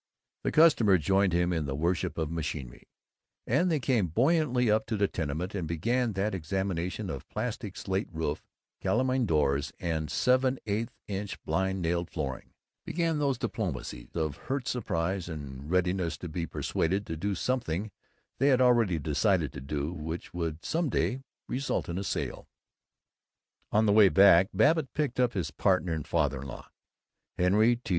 The customer joined him in the worship of machinery, and they came buoyantly up to the tenement and began that examination of plastic slate roof, kalamein doors, and seven eighths inch blind nailed flooring, began those diplomacies of hurt surprise and readiness to be persuaded to do something they had already decided to do, which would some day result in a sale. On the way back Babbitt picked up his partner and father in law, Henry T.